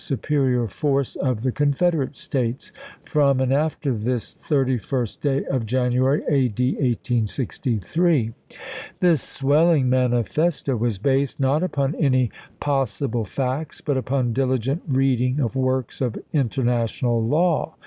superior force of the Confederate States from and Vop.' Sv" after this 31st day of January, A. D. 1863." This swelling manifesto was based, not upon any pos sible facts, but upon diligent reading of works of international law.